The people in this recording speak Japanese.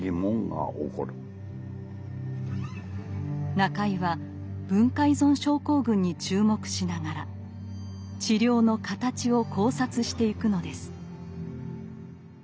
中井は文化依存症候群に注目しながら治療の形を考察してゆくのです。